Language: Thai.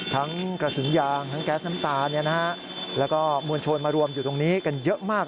กระสุนยางทั้งแก๊สน้ำตาแล้วก็มวลชนมารวมอยู่ตรงนี้กันเยอะมาก